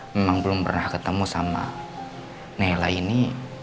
memang belum pernah ketemu sama nela ini